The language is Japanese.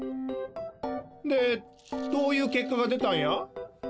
でどういうけっかが出たんや？